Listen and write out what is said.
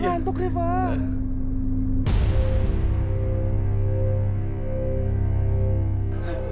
saya udah ngantuk nih pak